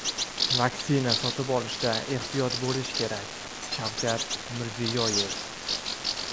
Vaksina sotib olishda ehtiyot bo‘lish kerak — Shavkat Mirziyoyev